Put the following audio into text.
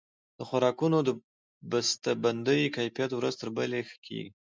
د خوراکونو د بسته بندۍ کیفیت ورځ تر بلې ښه کیږي.